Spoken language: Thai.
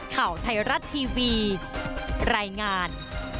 ข่าวไทยรัฐทีวีรายงาน